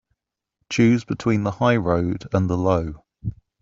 Choose between the high road and the low.